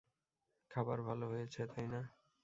খাবার ভালো হয়েছে, তাই না?